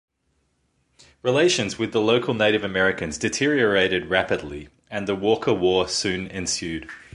Relations with the local Native Americans deteriorated rapidly and the Walker War soon ensued.